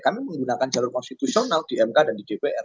kami menggunakan jalur konstitusional di mk dan di dpr